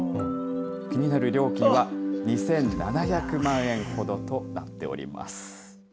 気になる料金は２７００万円ほどとなっております。